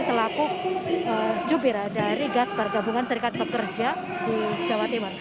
selaku jubir dari gas pergabungan serikat pekerja di jawa timur